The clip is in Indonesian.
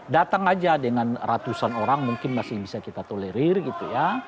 datang aja dengan ratusan orang mungkin masih bisa kita tolerir gitu ya